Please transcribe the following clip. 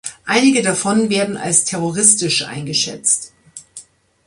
Einige davon werden als terroristisch eingeschätzt.